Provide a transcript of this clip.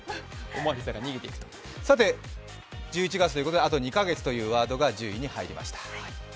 １１月ということで、あと２カ月というワードが１０位に入りました。